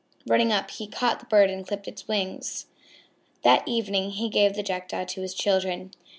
Running up, he caught the bird and clipped its wings. That evening he gave the Jackdaw to his children.